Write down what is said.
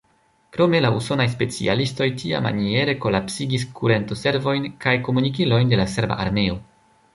Krome la usonaj specialistoj tiamaniere kolapsigis kurentoservojn kaj komunikilojn de la serba armeo.